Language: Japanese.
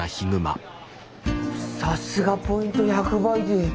さすがポイント１００倍デー。